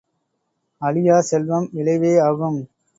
அழியாச் செல்வம் விளைவே ஆகும்.